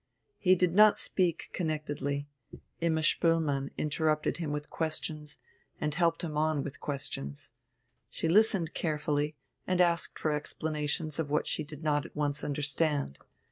He did not speak connectedly; Imma Spoelmann interrupted him with questions and helped him on with questions. She listened carefully, and asked for explanations of what she did not at once understand.